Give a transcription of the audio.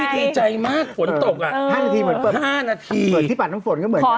พี่ดีใจมากฝนตกอะ๕นาทีฝนที่ปั่นต้องฝนก็เหมือนกัน